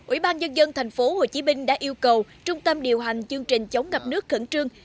ủy ban dân dân thành phố hồ chí minh đã yêu cầu trung tâm điều hành chương trình chống ngập nước khẩn trương